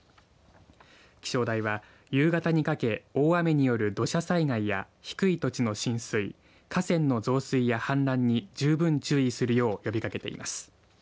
気象台は、夕方にかけ大雨による土砂災害や低い土地の浸水河川の増水や、氾濫に十分注意するよう呼びかけています。